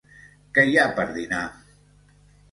Què hi ha per dinar?